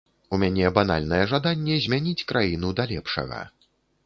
У мяне банальнае жаданне змяніць краіну да лепшага.